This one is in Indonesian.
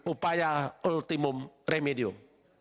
upaya ultimum remedium